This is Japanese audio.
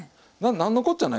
なんのこっちゃない